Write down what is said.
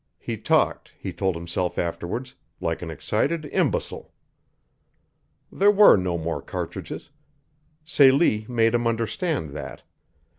He talked, he told himself afterwards, like an excited imbecile. There were no more cartridges. Celie made him understand that.